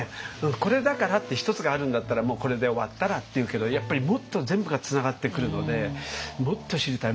これだからって一つがあるんだったらもうこれで終わったらっていうけどやっぱりもっと全部がつながってくるのでもっと知りたい。